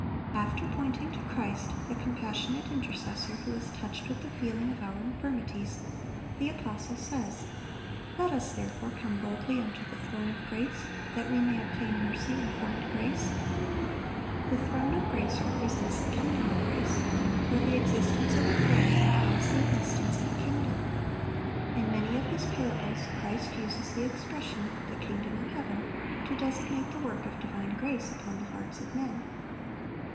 After pointing to Christ, the compassionate intercessor who is "touched with the feeling of our infirmities," the apostle says, "Let us therefore come boldly unto the throne of grace, that we may obtain mercy, and find grace."(577) The throne of grace represents the kingdom of grace; for the existence of a throne implies the existence of a kingdom. In many of His parables, Christ uses the expression, "the kingdom of heaven," to designate the work of divine grace upon the hearts of men.